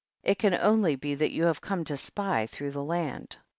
it can only be that you have come to spy through the land.